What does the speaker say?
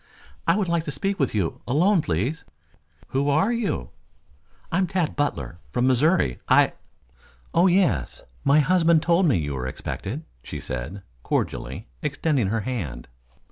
"I would like to speak with you, alone, please." "Who are you?" "I am Tad Butler from Missouri. I " "Oh, yes, nay husband told me you were expected," she said cordially, extending her hand.